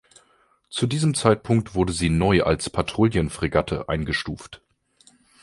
Zu diesem Zeitpunkt wurde sie neu als Patrouillenfregatte eingestuft.